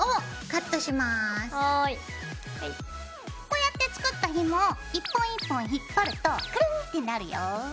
こうやって作ったひもを一本一本引っ張るとクルンってなるよ。